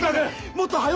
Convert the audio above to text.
もっと早う。